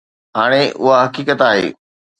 هاڻي اها حقيقت آهي